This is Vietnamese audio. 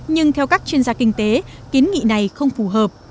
nhưng theo các chuyên gia kinh tế kiến nghị này không phù hợp